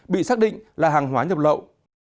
bị xác định là hàng hóa nhập lậu